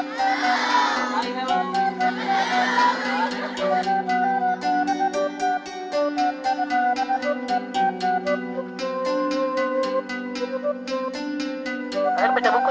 setelah itu menemani tamu qui